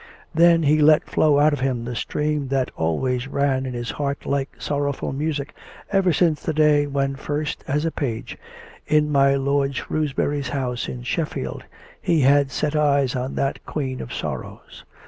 Then he let flow out of him the stream that always ran in his heart like sorrowful music ever since the day when first, as a page, in my Lord Shrewsbury's house in Shef field, he had set eyes on that queen of sorrows.